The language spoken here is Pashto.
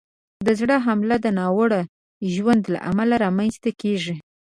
د زړه حمله د ناوړه ژوند له امله رامنځته کېږي.